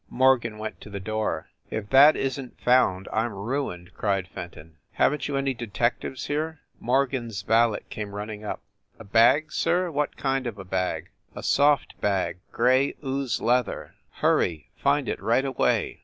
* Morgan went to the door. "If that isn t found I m ruined!" cried Fenton. "Haven t you any detectives here?" Morgan s valet came running up. "A bag, sir? What kind of a bag?" * A soft bag gray ooze leather! Hurry find it right away.